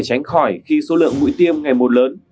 tránh khỏi khi số lượng mũi tiêm ngày một lớn